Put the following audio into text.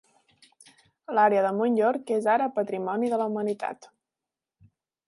L'àrea del Mount York és ara patrimoni de la humanitat.